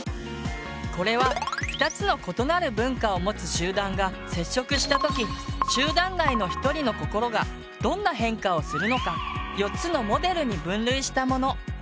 これは２つの異なる文化を持つ集団が接触したとき集団内の１人の心がどんな変化をするのか４つのモデルに分類したもの。